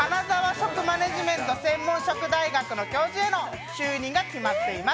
食マネジメント専門職大学の教授への就任が決まっています。